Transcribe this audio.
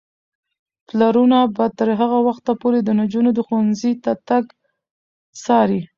پلرونه به تر هغه وخته پورې د نجونو ښوونځي ته تګ څاري.